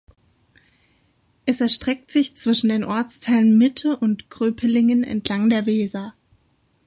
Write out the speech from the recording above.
Es erstreckt sich zwischen den Ortsteilen Mitte und Gröpelingen entlang der Weser.